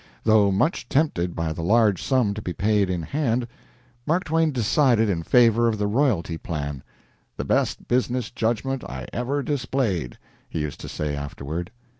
Though much tempted by the large sum to be paid in hand, Mark Twain decided in favor of the royalty plan "the best business judgment I ever displayed," he used to say afterward.